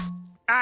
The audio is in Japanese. あ！